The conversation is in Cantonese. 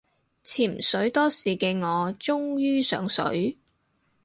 潛水多時嘅我終於上水